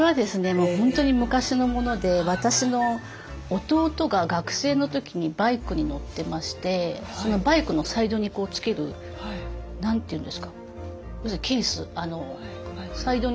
もう本当に昔のもので私の弟が学生の時にバイクに乗ってましてバイクのサイドに付ける何て言うんですか？